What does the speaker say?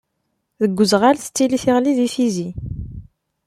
Deg uzɣal tettili tiɣli di Tizi.